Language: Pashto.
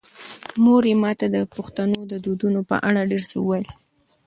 مور مې ماته د پښتنو د دودونو په اړه ډېر څه وویل.